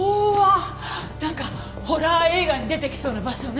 なんかホラー映画に出てきそうな場所ね。